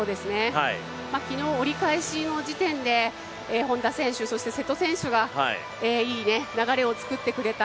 昨日、折り返しの時点で本多選手、そして瀬戸選手がいい流れをつくってくれた。